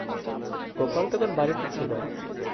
গোপাল তখন বাড়িতে ছিল।